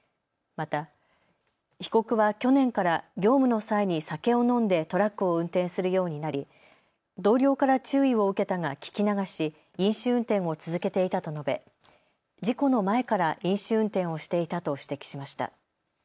また、被告は去年から業務の際に酒を飲んでトラックを運転するようになり同僚から注意を受けたが聞き流し飲酒運転を続けていたと述べ事故の前から飲酒運転をしていたと指摘しました。